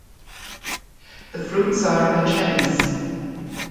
The fruits are achenes.